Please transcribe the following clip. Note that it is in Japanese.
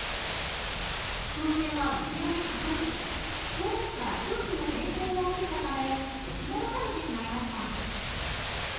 風船は後ろに傾き正面から空気の抵抗を受けたため押し戻されてしまいました。